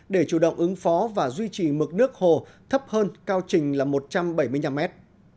để chủ động ứng phó và duy trì mực nước hồ thấp hơn cao trình là một trăm bảy mươi năm mét